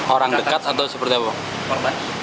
orang dekat atau seperti apa